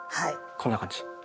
こんな感じ。